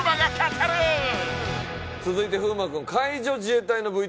続いて風磨君。